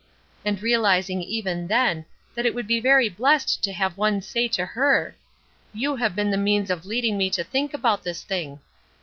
and realizing even then that it would be very blessed to have one say to her, "You have been the means of leading me to think about this thing."